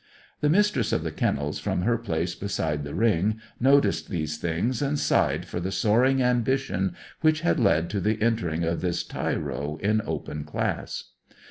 The Mistress of the Kennels, from her place beside the ring, noticed these things, and sighed for the soaring ambition which had led to the entering of this tyro in Open class.